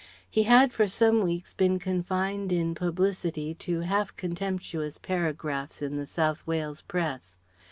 He had for some weeks been confined in publicity to half contemptuous paragraphs in the South Wales Press.